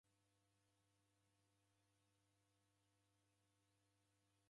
Nyamandu rimu nderijighwagha anduangi.